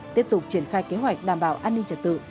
tiếp tục triển khai kế hoạch đảm bảo an ninh trật tự